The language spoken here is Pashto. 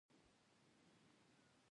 ځینو خپل خپلوان وپېژندل او غېږه یې ورکړه